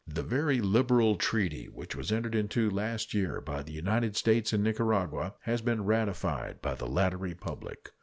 The very liberal treaty which was entered into last year by the United States and Nicaragua has been ratified by the latter Republic.